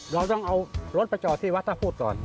เราต้องเอารถไปจอดที่วัดท่าพูดก่อน